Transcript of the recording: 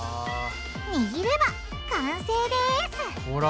にぎれば完成ですほら